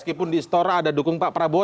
meskipun di istora ada dukung pak prabowo